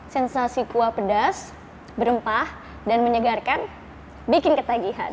sensasi kuah pedas berempah dan menyegarkan bikin ketagihan